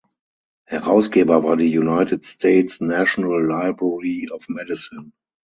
Herausgeber war die United States National Library of Medicine.